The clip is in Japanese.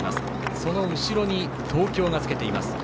その後ろに、東京がつけています。